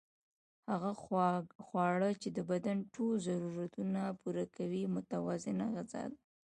هغه خواړه چې د بدن ټول ضرورتونه پوره کړي متوازنه غذا ده